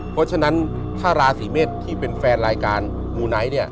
เพราะฉะนั้นถ้าราศีเมษที่เป็นแฟนรายการมูไนท์เนี่ย